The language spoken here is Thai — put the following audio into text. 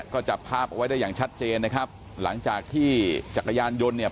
ก็จับภาพเอาไว้ได้อย่างชัดเจนนะครับหลังจากที่จักรยานยนต์เนี่ย